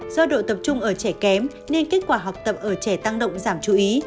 do độ tập trung ở trẻ kém nên kết quả học tập ở trẻ tăng động giảm chú ý